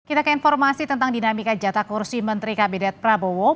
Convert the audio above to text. kita ke informasi tentang dinamika jatah kursi menteri kabinet prabowo